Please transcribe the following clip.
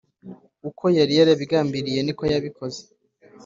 uko yari yarabigambiriye niko yabikoze